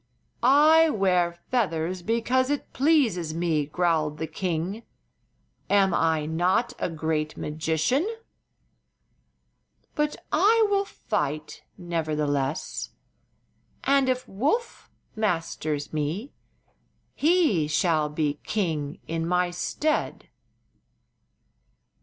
"I wear feathers because it pleases me," growled the king. "Am I not a great magician? But I will fight, nevertheless, and if Woof masters me he shall be king in my stead."